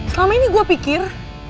selama ini gue pikir